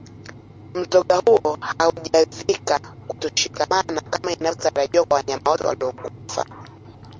Mzoga huo haujikazikutoshikamana kama inavyotarajiwa kwa wanyama wote waliokufa